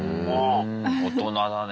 大人だね。